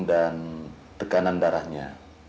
dan tekanan darahnya